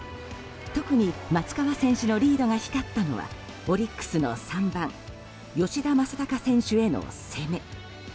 特に松川選手のリードが光ったのはオリックスの３番吉田正尚選手への攻め。